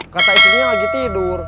kata isinya lagi tidur